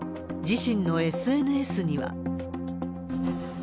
自身のＳＮＳには。